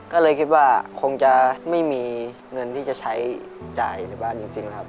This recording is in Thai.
ก็เลยคิดว่าคงจะไม่มีเงินที่จะใช้จ่ายในบ้านจริงครับ